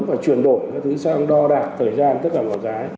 và chuyển đổi đo đạt thời gian tất cả mọi cái